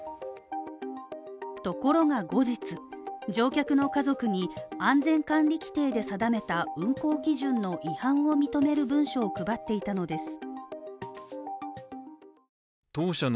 ところが後日、乗客の家族に、安全管理規程で定めた運航基準の違反を認める文書を配っていたのです。